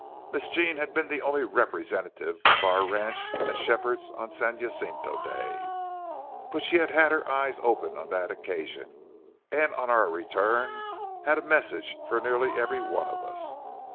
Miss Jean had been the only representative of our ranch at Shepherd's on San Jacinto Day. But she had had her eyes open on that occasion, and on our return had a message for nearly every one of us.